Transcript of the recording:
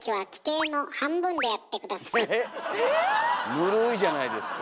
ぬるいじゃないですか。